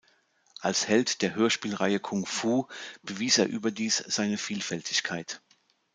Als Held der Hörspielreihe "Kung Fu" bewies er überdies seine Vielfältigkeit.